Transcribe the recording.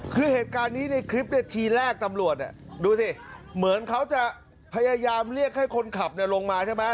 คือเหตุการณ์นี้ในคลิปทีแรกตำรวจดูสิเหมือนเขาจะพยายามเรียกให้คนขับลงมาใช่ไหม